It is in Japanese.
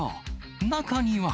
中には。